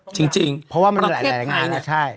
จริงเพราะว่ามันมีหลายงาน